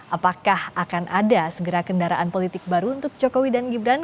apakah akan ada segera kendaraan politik baru untuk jokowi dan gibran